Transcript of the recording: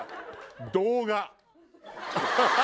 動画。